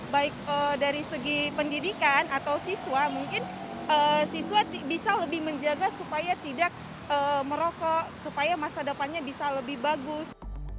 baik dari segi pendidikan atau siswa mungkin siswa bisa lebih menjaga supaya tidak merokok supaya masa depannya bisa lebih bagus